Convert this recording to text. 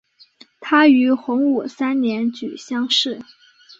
他于洪武三年举乡试。